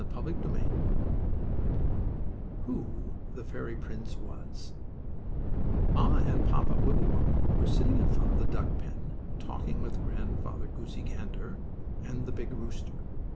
STORY VIII WHO THE FAIRY PRINCE WAS Mamma and Papa Wibblewobble were sitting in front of the duck pen, talking with Grandfather Goosey Gander and the big rooster.